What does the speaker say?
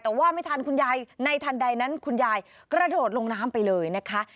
แต่ว่าไม่ทันคุณยายในทันใดนั้นคุณยายกระโดดลงน้ำไปเลยนะคะ